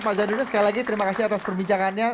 pak zainud sekali lagi terima kasih atas perbincangannya